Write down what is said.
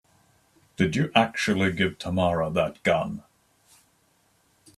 Did you actually give Tamara that gun?